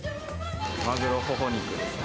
マグロのホホ肉ですね。